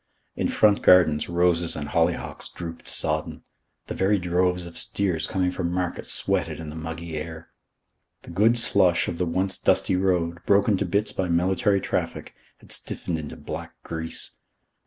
In front gardens roses and hollyhocks drooped sodden. The very droves of steers coming from market sweated in the muggy air. The good slush of the once dusty road, broken to bits by military traffic, had stiffened into black grease.